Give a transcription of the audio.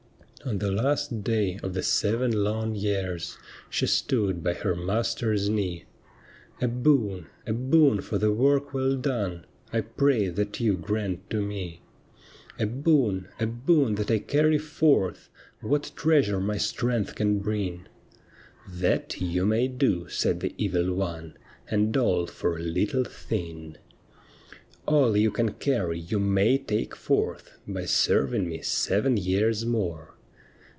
On the last day of the seven long years She stood by her master's knee —' A boon, a boon for the work well done, I pray that you grant to me ;' A boon, a boon that I carry fortli. What treasure my strength can bring.' THE WOMAN WHO WENT TO HELL 119 ' Thai you may do,' said the Evil One, ' And all for a little thing. ' All you can carry you may take forth By serving me seven years more.'